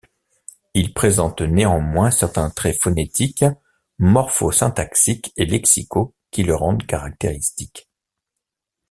Il présente néanmoins certains traits phonétiques, morphosyntaxiques et lexicaux qui le rendent caractéristique.